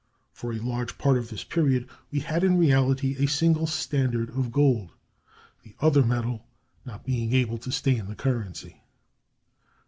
For a large part of this period we had in reality a single standard of gold, the other metal not being able to stay in the currency.